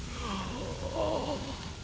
ああ。